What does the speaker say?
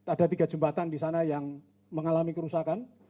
ada tiga jembatan di sana yang mengalami kerusakan